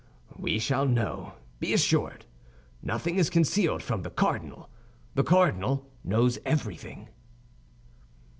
"We shall know, be assured. Nothing is concealed from the cardinal; the cardinal knows everything."